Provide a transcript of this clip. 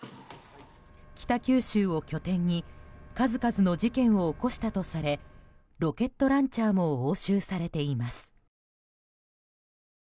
北九州を拠点に数々の事件を起こしたとされロケットランチャーも押収されています。